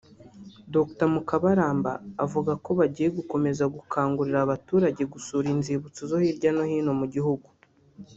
Dr Mukabaramba avuga ko bagiye gukomeza gukangurira n’abaturage gusura inzibutso zo hirya no hino mu gihugu